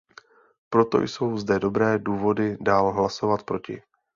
Proto jsou zde dobré důvody dál hlasovat proti.